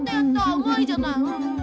うまいじゃない。